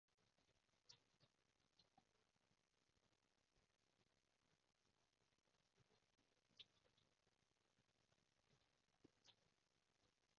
冇分別，所有屯門公路車都要轉行青山公路走，睇車長入到屯門區內再點發揮兜返去原定路線